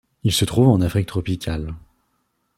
Il se trouve en Afrique tropicale.